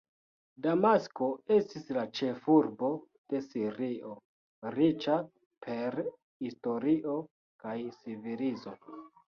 Damasko estis la ĉefurbo de Sirio, riĉa per historio kaj civilizo.